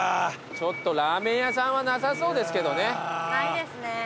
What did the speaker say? ラーメン屋さんはなさそうですけどね。